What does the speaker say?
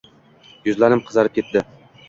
Yuzlarim qizarib ketdi